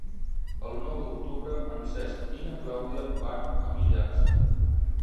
El nou d'octubre en Cesc i na Clàudia van a Millars.